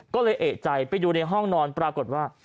ก็เลยเอกใจไปดูในห้องนอนปรากฏว่า